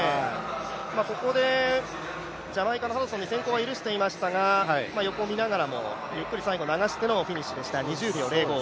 ここでジャマイカのハドソンに先行は許していたんですが横を見ながらもゆっくり最後流していました、２０秒０５。